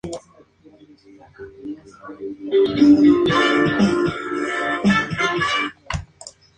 Este pueblo está formado por tres barrios Mediavilla, Eras y Cuevas.